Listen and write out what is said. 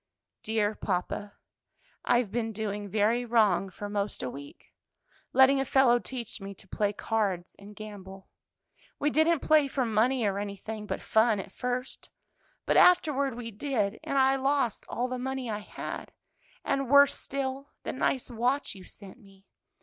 "Dear papa, I've been doing very wrong for 'most a week letting a fellow teach me to play cards and gamble; we didn't play for money or anything but fun at first, but afterward we did; and I lost all the money I had, and, worse still, the nice watch you sent me.